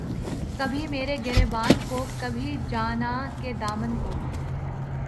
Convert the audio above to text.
کبھی میرے گریباں کو‘ کبھی جاناں کے دامن کو